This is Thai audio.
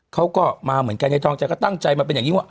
เขาก็มาเหมือนกันในทองใจก็ตั้งใจมาเป็นอย่างนี้ว่า